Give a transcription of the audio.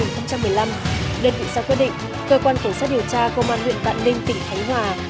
được nghị sát quyết định cơ quan kiểm soát điều tra công an huyện vạn ninh tỉnh thanh hòa